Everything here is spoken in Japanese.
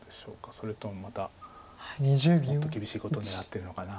それともまたもっと厳しいことを狙ってるのかな。